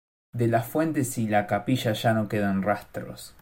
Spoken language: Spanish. De las fuentes y la capilla ya no quedan rastros.